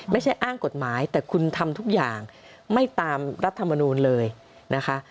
ไม่ใช่อ้างกฎหมายแต่คุณทำทุกอย่างไม่ตามรัฐมนูลเลยนะคะ